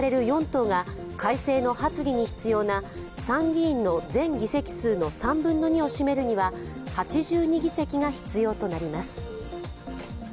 ４党が改正の発議に必要な参議院の全議席数の３分の２を占めるには８２議席が必要となります。